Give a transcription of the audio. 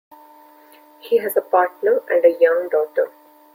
He has a partner and a young daughter.